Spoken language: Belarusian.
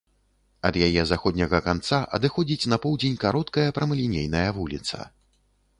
Ад яе заходняга канца адыходзіць на поўдзень кароткая прамалінейная вуліца.